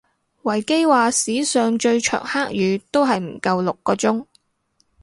維基話史上最長黑雨都係唔夠六個鐘